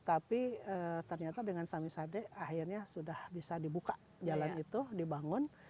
tapi ternyata dengan samisade akhirnya sudah bisa dibuka jalan itu dibangun